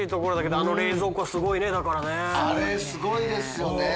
あれすごいですよね。